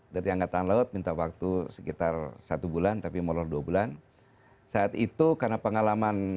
dari angkatan laut minta waktu sekitar satu bulan tapi molor dua bulan saat itu karena pengalaman